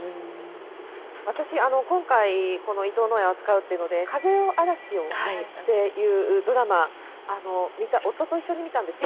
私今回この伊藤野枝を扱うっていうので「風よあらしよ」というドラマ夫と一緒に見たんですよ。